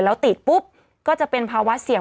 แล้วติดปุ๊บก็จะเป็นภาวะเสี่ยง